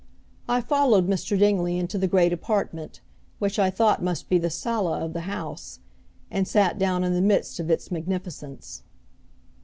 I followed Mr. Dingley into the great apartment, which I thought must be the sala of the house, and sat down in the midst of its magnificence.